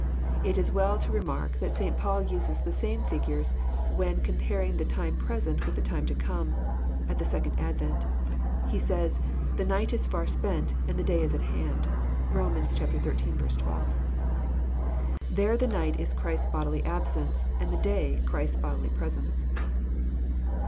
It is well to remark that St. Paul uses the same figures when com paring time present with time to come, at the second advent. He says, The night Is far spent, and the day is at hand." (Rom. ziil. 12.) There the night is Christ's bodily absence, and the day Christ's bodily presence.